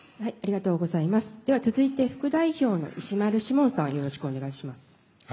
続いて副代表の石丸志門さんよろしくお願いします。